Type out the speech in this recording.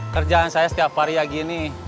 kerjaan saya setiap hari ya gini